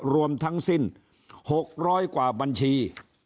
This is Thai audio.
รวมทั้งสิ้น๖๐๐กว่าบัญชี